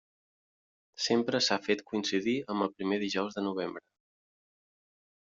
Sempre s'ha fet coincidir amb el primer dijous de novembre.